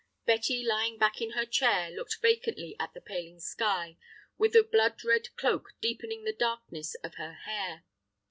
Betty, lying back in her chair, looked vacantly at the paling sky, with the blood red cloak deepening the darkness of her hair.